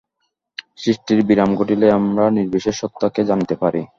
সৃষ্টির বিরাম ঘটিলেই আমরা নির্বিশেষ সত্তাকে জানিতে পারি।